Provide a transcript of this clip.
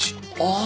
ああ。